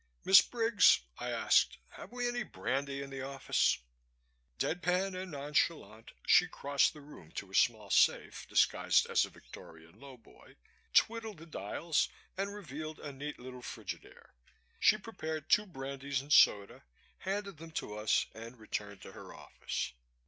"Miss Briggs," I asked, "have we any brandy in the office?" Dead pan and nonchalant, she crossed the room to a small safe, disguised as a Victorian low boy, twiddled the dials and revealed a neat little Frigidaire. She prepared two brandies and soda, handed them to us and returned to her office.